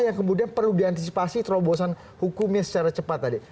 yang kemudian perlu diantisipasi terobosan hukumnya secara cepat tadi